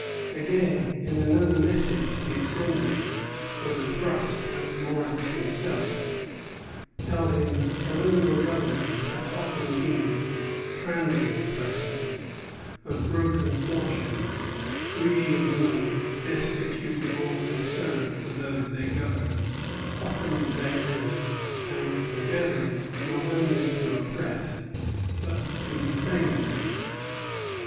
Again, in another Message, the Assembly, with a thrust at Morris himself, tell him that colonial governors have often been "transient persons, of broken fortunes, greedy of money, destitute of all concern for those they govern, often their enemies, and endeavoring not only to oppress, but to defame them."